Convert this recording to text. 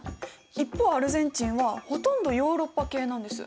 一方アルゼンチンはほとんどヨーロッパ系なんです。